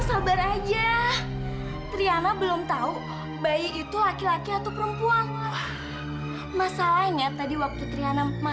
sampai jumpa di video selanjutnya